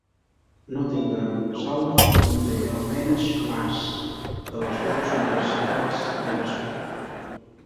Nottingham South conté al menys parts de les dues universitats de la ciutat.